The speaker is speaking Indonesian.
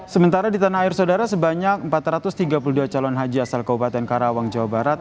sementara di tanah air saudara sebanyak empat ratus tiga puluh dua calon haji asal kabupaten karawang jawa barat